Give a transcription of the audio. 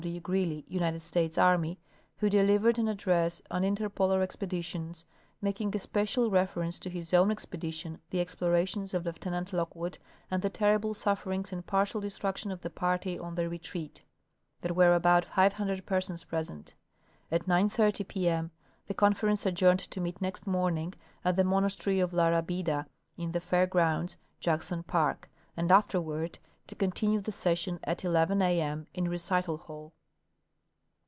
W. Greely, United States Army, who delivered an address on interpolar expeditions, making especial reference to his own expedition, the explorations of Lieutenant Lockwood and the terrible suf ferings and partial destruction of the party on their retreat. There were about 500 persons present. At 9.30 p m the Conference adjourned to meet next morning at the monastery of La Rabida, in the Fair grounds, Jackson park^ and afterward to continue the session at 11 a m in Recital hall.